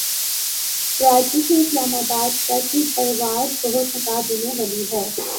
کراچی سے اسلام آباد تک کی پرواز بہت تھکا دینے والی ہے